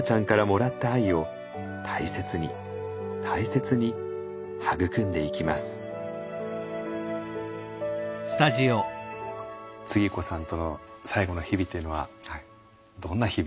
つぎ子さんとの最後の日々というのはどんな日々でしたか？